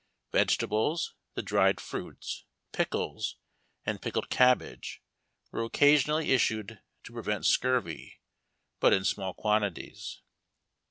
Vegetables, the dried fruits, pickles, and pickled cabbage were occasionally issued to prevent scurvy, but in small quantities.